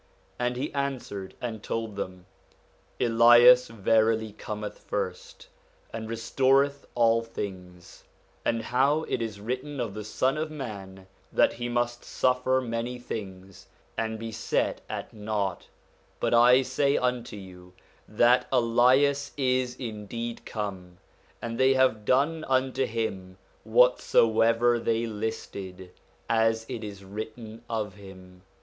And he answered and told them, Elias verily cometh first, and restore th all things; and how it is written of the Son of man, that he must suffer many things, and be set at nought. 1 Cf. page 126, note 1. 151 152 SOME ANSWERED QUESTIONS But I say unto you, That Elias is indeed come, and they have done unto him whatsoever they listed, as it is written of him.